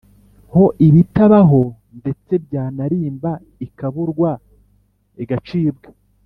ho ibitaba ho, ndetse byanarimba ikaburwa, igacibwa,